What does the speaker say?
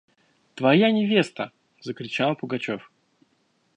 – Твоя невеста! – закричал Пугачев.